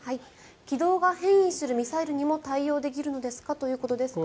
軌道が変異するミサイルにも対応できるのですか？ということですが。